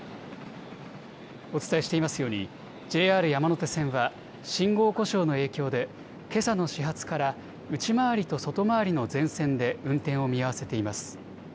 お伝えしていますようにＪＲ山手線は信号故障の影響でけさの始発から内回りと外回りの全線で運転を見合わせています。